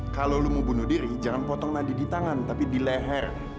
kalau lo mau bunuh diri jangan potong nadi di tangan tapi di leher